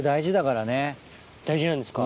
大事なんですか。